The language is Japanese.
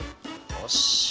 よし。